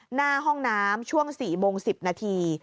หน้าห้องน้ำช่วง๔โมง๑๐นาที